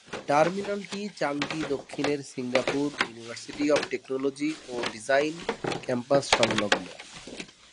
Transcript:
টার্মিনালটি চাঙ্গি দক্ষিণের Singapore university of technology ও ডিজাইন ক্যাম্পাস সংলগ্ন।